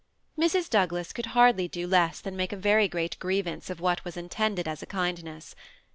Mrs. Douglas could hardly do less than make a very great grievance of what was intended as a kindness.